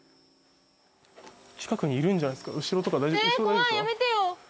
近くにいるんじゃないですか後ろとか大丈夫ですか？